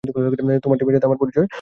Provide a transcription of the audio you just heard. তোমার টিমের সাথে পরিচয় করিয়ে দেওয়া যাক।